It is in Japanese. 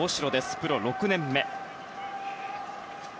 プロ６年目。